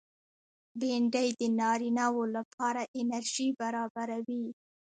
بېنډۍ د نارینه و لپاره انرژي برابروي